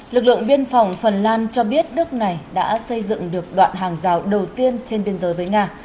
lực lượng biên phòng phần lan cho biết nước này đã xây dựng được đoạn hàng rào đầu tiên trên biên giới với nga